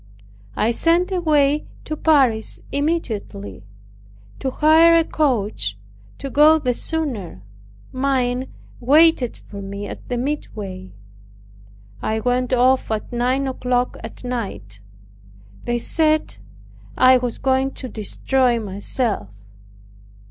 I sent away to Paris immediately, to hire a coach, to go the sooner; mine waited for me at the midway. I went off at nine o'clock at night. They said. I "was going to destroy myself."